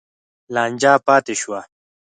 لانجه پاتې شوه.